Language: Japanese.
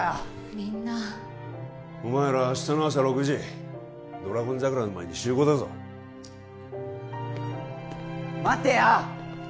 みんなお前ら明日の朝６時ドラゴン桜の前に集合だぞ待てよ！